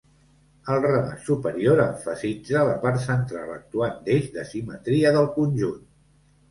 El remat superior emfasitza la part central actuant d'eix de simetria del conjunt.